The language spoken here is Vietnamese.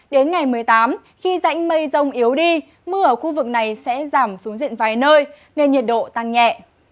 đến ngày một mươi tám khi rãnh mây rông yếu đi mưa ở khu vực này sẽ giảm xuống diện vài nơi nên nhiệt độ tăng nhẹ